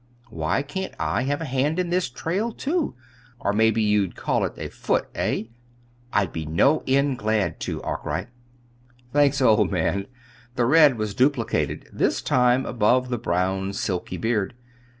Why can't I have a hand in this trail, too or maybe you'd call it a foot, eh? I'd be no end glad to, Arkwright." "Thanks, old man." The red was duplicated this time above the brown silky beard.